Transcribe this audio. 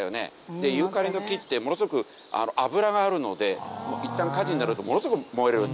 でユーカリの木ってものすごく油があるのでいったん火事になるとものすごく燃える。